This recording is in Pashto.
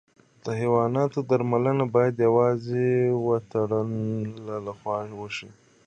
د حیواناتو درملنه باید یوازې د وترنر له خوا وشي.